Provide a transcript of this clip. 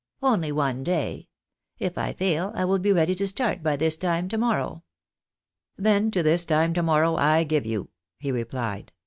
Only one day ! If I fail I will be ready to start by this time to morrow." " Then to this time to morrow I give you," he replied.